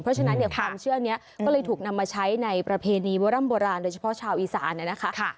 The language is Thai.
เพราะฉะนั้นเนี่ยความเชื่อนี้ก็เลยถูกนำมาใช้ในประเพณีโบร่ำโบราณโดยเฉพาะชาวอีสานนะคะ